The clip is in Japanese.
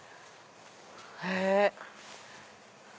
へぇ。